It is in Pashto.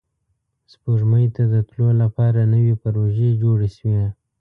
سپوږمۍ ته د تلو لپاره نوې پروژې جوړې شوې